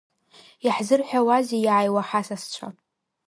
Иаҳзырҳәауазеи иааиуа ҳасасцәа?